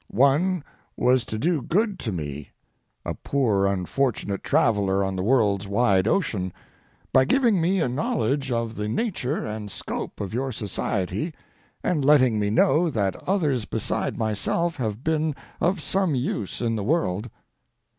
One was to do good to me, a poor unfortunate traveller on the world's wide ocean, by giving me a knowledge of the nature and scope of your society and letting me know that others beside myself have been of some use in the world.